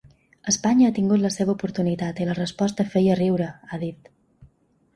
Espanya ha tingut la seva oportunitat i la resposta feia riure, ha dit.